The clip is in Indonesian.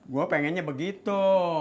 gue pengennya begitu